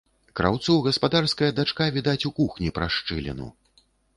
Краўцу гаспадарская дачка відаць у кухні праз шчыліну.